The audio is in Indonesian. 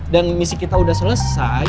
dan misi kita udah selesai